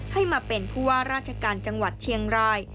ให้มาเป็นผู้ว่าราชการจังหวัดเชียงราย